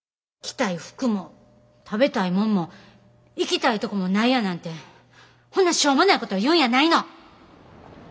着たい服も食べたいもんも行きたいとこもないやなんてほんなしょうもないこと言うんやないの！